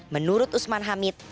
menurut usman hamid